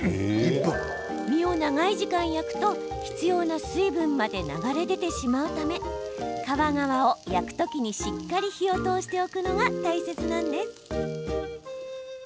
身を長い時間焼くと必要な水分まで流れ出てしまうため皮側を焼く時にしっかり火を通しておくのが大切なんです。